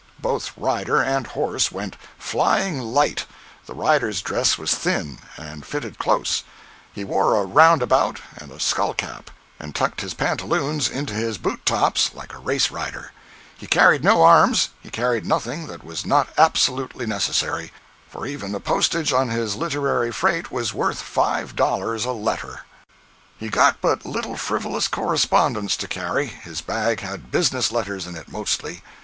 Both rider and horse went "flying light." The rider's dress was thin, and fitted close; he wore a "round about," and a skull cap, and tucked his pantaloons into his boot tops like a race rider. He carried no arms—he carried nothing that was not absolutely necessary, for even the postage on his literary freight was worth five dollars a letter. 071.jpg (120K) He got but little frivolous correspondence to carry—his bag had business letters in it, mostly.